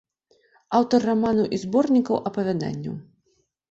Аўтар раманаў і зборнікаў апавяданняў.